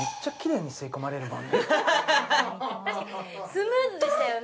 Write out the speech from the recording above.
確かにスムーズでしたよね